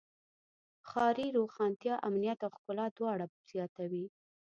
ښاري روښانتیا امنیت او ښکلا دواړه زیاتوي.